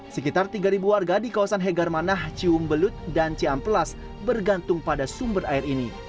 sekitar tiga warga di kawasan hegar manah ciumbelut dan ciamplas bergantung pada sumber air ini